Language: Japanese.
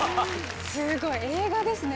すごい映画ですね